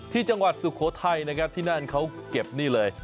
ที่จังหวัดสุโขทัยที่นั่นเขาเก็บนี่เลย